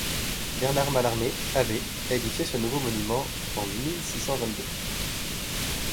Bernard Malarmey, abbé, a édifié ce nouveau monument, en mille six cent vingt-deux.